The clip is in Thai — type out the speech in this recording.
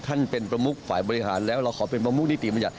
ท่านเป็นประมุกฝ่ายบริหารแล้วเราขอเป็นประมุกนิติบัญญัติ